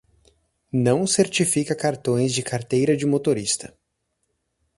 Não certifica cartões de carteira de motorista.